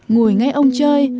ngồi ngay ông chơi